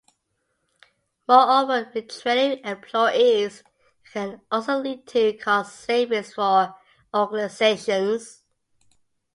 Moreover, retraining employees can also lead to cost savings for organizations.